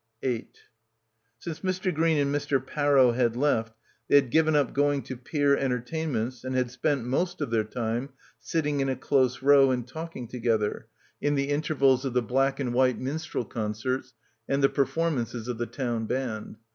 8 Since Mr. Green and Mr. Parrow had left, they had given up going to pier entertainments and had spent most of their time sitting in a — 245 — PILGRIMAGE close row and talking together, in the intervals of the black and white minstrel concerts and the performances of the town band.